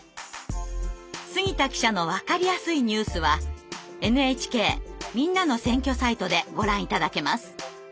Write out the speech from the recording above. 「杉田記者のわかりやすいニュース」はＮＨＫ「みんなの選挙」サイトでご覧頂けます。